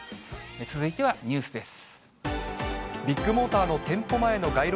続いてはニュースです。